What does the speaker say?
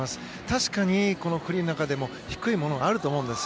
確かにフリーの中でも低いものがあると思うんです。